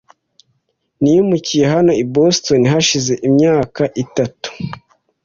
Nimukiye hano i Boston hashize imyaka itatu .